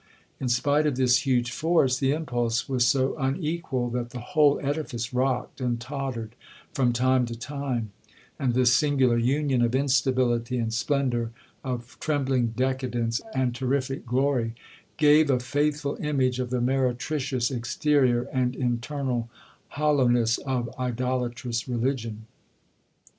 In spite of this huge force, the impulse was so unequal, that the whole edifice rocked and tottered from time to time, and this singular union of instability and splendour, of trembling decadence and terrific glory, gave a faithful image of the meretricious exterior, and internal hollowness, of idolatrous religion.